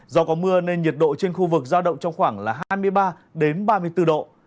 do có mưa nên nhiệt độ trên khu vực giao động trong khoảng là hai mươi ba ba mươi bốn độ